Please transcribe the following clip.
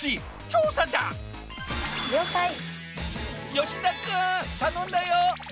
吉田君頼んだよ！